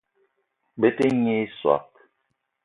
Bete nyi i soag.